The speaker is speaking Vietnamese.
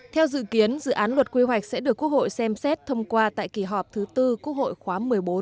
theo dự kiến dự án luật quy hoạch sẽ được quốc hội xem xét thông qua tại kỳ họp thứ tư quốc hội khóa một mươi bốn